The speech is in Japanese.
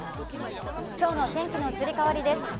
今日の天気の移り変わりです。